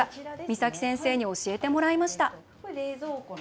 岬先生に教えてもらいました。